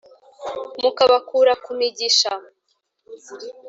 Mukabakura ku migisha.